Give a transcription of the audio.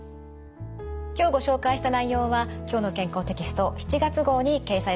今日ご紹介した内容は「きょうの健康」テキスト７月号に掲載されています。